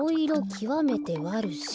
きわめてわるしと。